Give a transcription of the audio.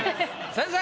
先生！